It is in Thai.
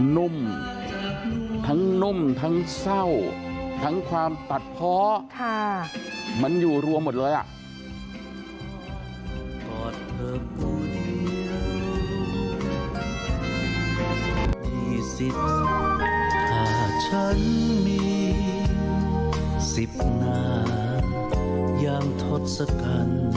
นุ่มทั้งนุ่มทั้งเศร้าทั้งความตัดเพาะมันอยู่รวมหมดเลยอ่ะ